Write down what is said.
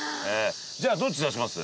じゃあどっち出します？